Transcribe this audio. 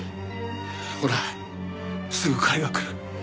ほらすぐ彼が来る。